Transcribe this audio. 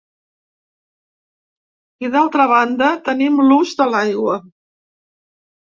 I d’altra banda tenim l’ús de l’aigua.